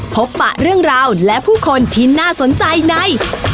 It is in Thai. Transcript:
ปะเรื่องราวและผู้คนที่น่าสนใจใน